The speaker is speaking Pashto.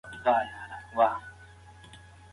پوښتنه کول د زده کړې برخه ده.